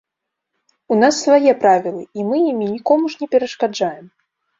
У нас свае правілы, і мы імі нікому ж не перашкаджаем!